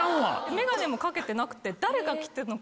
眼鏡も掛けてなくて。